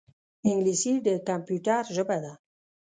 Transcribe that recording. انګلیسي د کمپیوټر ژبه ده